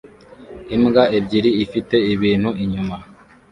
Imbwa ebyiri ifite ibiti inyuma